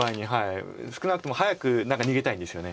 少なくとも早く逃げたいんですよね。